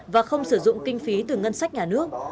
và không sử dụng kinh phí từ ngân sách nhà nước